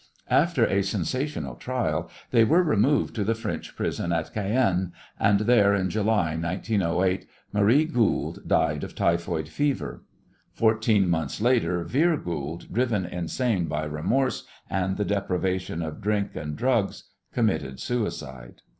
After a sensational trial they were removed to the French prison at Cayenne, and there in July, 1908, Marie Goold died of typhoid fever. Fourteen months later Vere Goold, driven insane by remorse and the deprivation of drink and drugs, committed suicide.